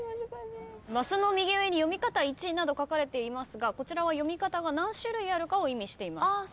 升の右上に読み方１など書かれていますがこちらは読み方が何種類あるかを意味しています。